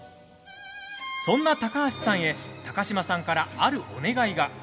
そんな高橋さんへ高嶋さんから、あるお願いが。